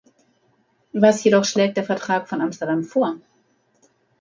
Was jedoch schlägt der Vertrag von Amsterdam vor?